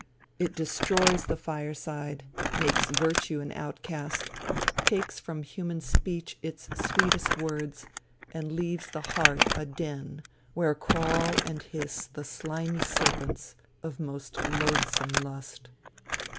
It destroys the fireside, makes virtue an outcast, takes from human speech its sweetest words, and leaves the heart a den, where crawl and hiss the slimy serpents of most loathsome lust.